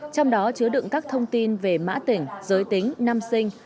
trong đó chứa đựng các thông tin về mã tỉnh giới tính năm sinh